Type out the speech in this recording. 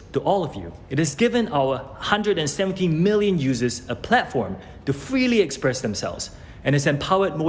jadi ini sebenarnya adalah kali kedua nasib tiktok